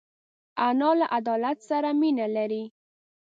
انا له عدالت سره مینه لري